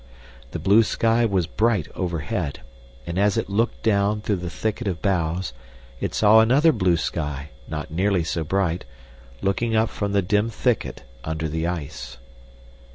The blue sky was bright overhead, and as it looked down through the thicket of boughs, it saw another blue sky, not nearly so bright, looking up from the dim thicket under the ice.